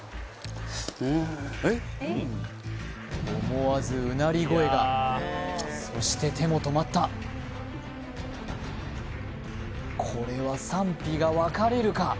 思わずうなり声がそして手も止まったこれは賛否が分かれるか？